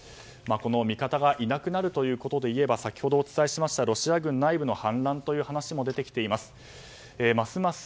味方がいなくなるということでは先ほどお伝えしましたロシア軍内部の反乱という話も出てきています。